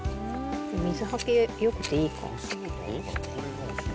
水はけよくて、いいかもしれない。